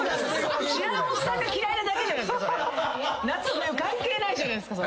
夏冬関係ないじゃないですか。